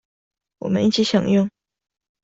我們一起享用